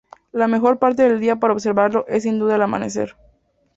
La mejor parte del día para observarlo es sin duda el amanecer.